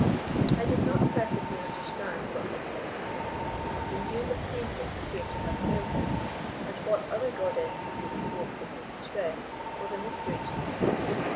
I did not perfectly understand what my friend meant. The muse of painting appeared to have failed him, and what other goddess he could invoke in his distress was a mystery to me.